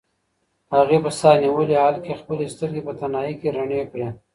هغې په ساه نیولي حال کې خپلې سترګې په تنهایۍ کې رڼې کړې.